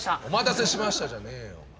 「お待たせしました」じゃねえよ。